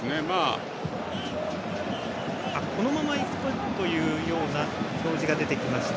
このままいくとという表示が出てきました。